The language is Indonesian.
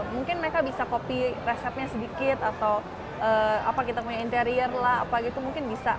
mungkin mereka bisa copy resepnya sedikit atau apa kita punya interior lah apa gitu mungkin bisa